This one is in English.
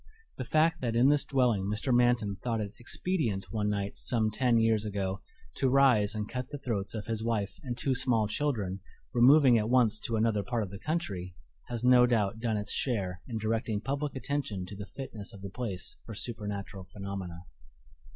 The fact that in this dwelling Mr. Manton thought it expedient one night some ten years ago to rise and cut the throats of his wife and two small children, removing at once to another part of the country, has no doubt done its share in directing public attention to the fitness of the place for supernatural phenomena.